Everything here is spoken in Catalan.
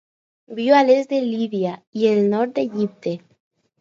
Viu a l'est de Líbia i el nord d'Egipte.